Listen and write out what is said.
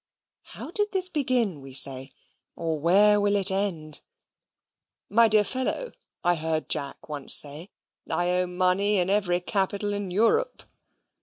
"How did this begin," we say, "or where will it end?" "My dear fellow," I heard Jack once say, "I owe money in every capital in Europe."